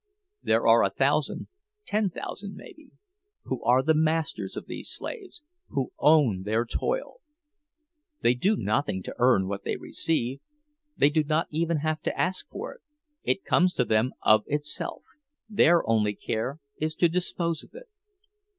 There are a thousand—ten thousand, maybe—who are the masters of these slaves, who own their toil. They do nothing to earn what they receive, they do not even have to ask for it—it comes to them of itself, their only care is to dispose of it.